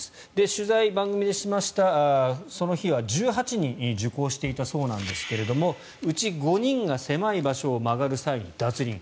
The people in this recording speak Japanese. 取材を番組でしましたその日は、１８人受講していたそうなんですがうち５人が狭い場所を曲がる際に脱輪。